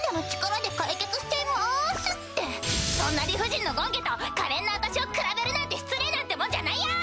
そんな理不尽の権化とかれんな私を比べるなんて失礼なんてもんじゃないよ！